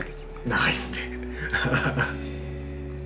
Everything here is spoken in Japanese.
長いですね。